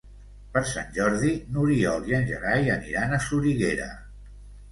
Per Sant Jordi n'Oriol i en Gerai aniran a Soriguera.